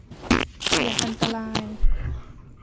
เสี่ยงอันตราย